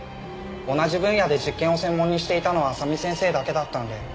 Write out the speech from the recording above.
同じ分野で実験を専門にしていたのは麻美先生だけだったんで。